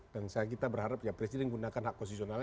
dan saya berharap presiden menggunakan hak posisionalnya